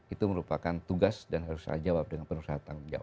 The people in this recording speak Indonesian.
itu merupakan tugas dan harus saya jawab dengan penuh kesatuan